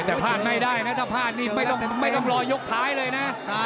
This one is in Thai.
แต่พลาดไม่ได้นะถ้าพลาดนี่ไม่ต้องรอยกท้ายเลยนะ